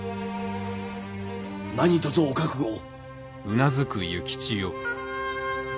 何とぞお覚悟を。